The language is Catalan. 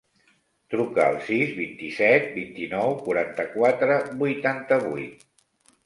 Truca al sis, vint-i-set, vint-i-nou, quaranta-quatre, vuitanta-vuit.